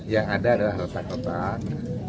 yang ada adalah retak retak